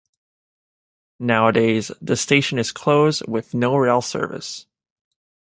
Nowadays, The station is closed with no rail service.